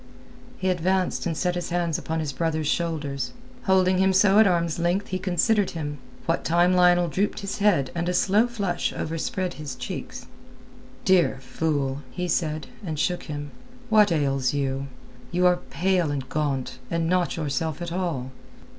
He advanced and set his hands upon his brother's shoulders. Holding him so at arm's length he considered him, what time Lionel drooped his head and a slow flush overspread his cheeks. "Dear fool!" he said, and shook him. "What ails you? You are pale and gaunt, and not yourself at all.